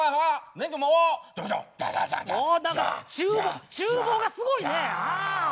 何かちゅう房がすごいね！